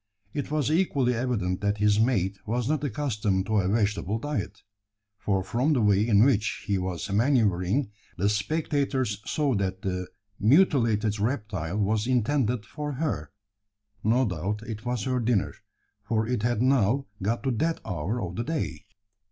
It was equally evident that his mate was not accustomed to a vegetable diet: for from the way in which he was manoeuvring, the spectators saw that the mutilated reptile was intended for her. No doubt it was her dinner, for it had now got to that hour of the day.